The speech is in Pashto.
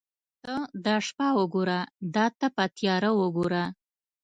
ته دا شپه وګوره دا تپه تیاره وګوره.